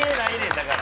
だから！